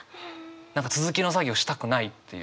続きの作業したくないっていう。